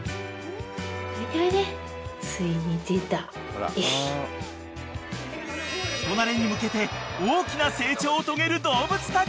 ［人なれに向けて大きな成長を遂げる動物たち］